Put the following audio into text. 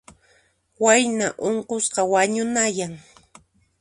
Wayna unqusqa wañunayan.